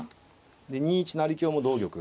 で２一成香も同玉。